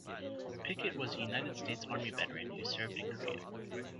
Pickett was a United States Army veteran, who served in Korea.